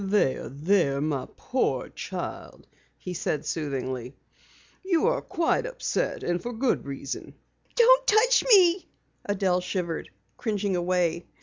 "There, there, my poor child," he said soothingly. "You are quite upset, and for good reason." "Don't touch me," Adelle shivered, cringing away.